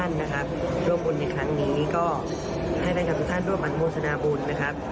ในครั้งนี้ก็ให้ดังกับทุกท่านร่วมอันโมชนาบุญนะครับ